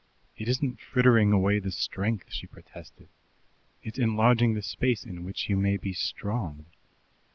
"It isn't frittering away the strength," she protested. "It's enlarging the space in which you may be strong."